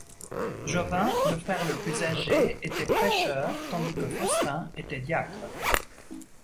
Jovin, le frère le plus âgé, était prêcheur, tandis que Faustin était diacre.